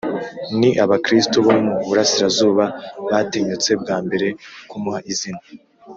ni abakristu bo mu burasirazuba batinyutse bwa mbere kumuha izina